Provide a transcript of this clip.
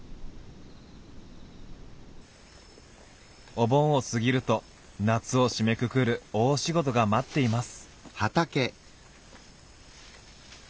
お盆を過ぎると夏を締めくくる大仕事が待っています。